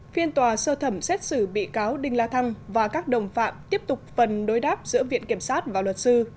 phiên tòa sơ thẩm xét xử bị cáo đinh la thăng và các đồng phạm tiếp tục phần đối đáp giữa viện kiểm sát và luật sư